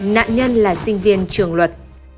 nạn nhân là sinh viên trường luật